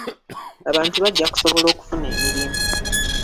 Abantu bajja kusobola okufuna emirimu.